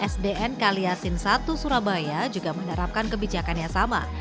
sdn kaliasin satu surabaya juga menerapkan kebijakan yang sama